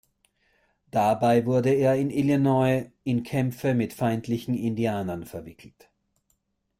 Dabei wurde er in Illinois in Kämpfe mit feindlichen Indianern verwickelt.